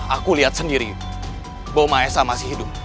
aku lihat sendiri bahwa mahesa masih hidup